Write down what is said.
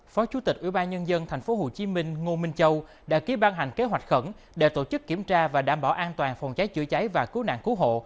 phó chủ tịch ủy ban nhân dân tp hcm ngô minh châu đã ký ban hành kế hoạch khẩn để tổ chức kiểm tra và đảm bảo an toàn phòng cháy chữa cháy và cố nạn cứu hộ